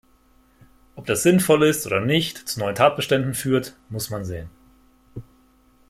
Ob das sinnvoll ist oder nicht zu neuen Tatbeständen führt, muss man sehen.